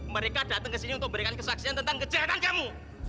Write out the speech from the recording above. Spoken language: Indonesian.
mereka datang kesini untuk berikan kesaksian tentang kejahatan kamu